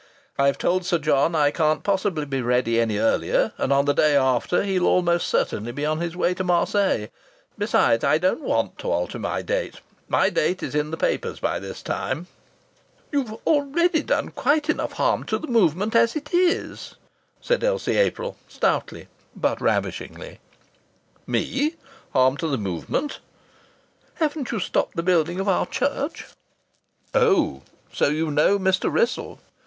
"I've told Sir John I can't possibly be ready any earlier, and on the day after he'll almost certainly be on his way to Marseilles. Besides, I don't want to alter my date. My date is in the papers by this time." "You've already done quite enough harm to the Movement as it is," said Elsie April, stoutly, but ravishingly. "Me harm to the Movement?" "Haven't you stopped the building of our church?" "Oh! So you know Mr. Wrissell?"